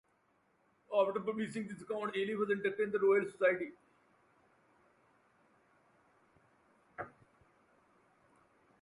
After publishing these accounts, Ellis was inducted into the Royal Society.